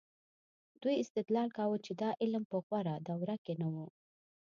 دوی استدلال کاوه چې دا علم په غوره دوره کې نه و.